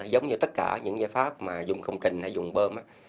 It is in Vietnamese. giống như tất cả những giải pháp mà dùng công trình dùng bơm